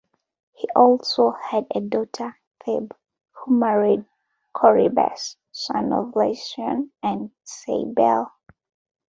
He also had a daughter Thebe, who married Corybas, son of Iasion and Cybele.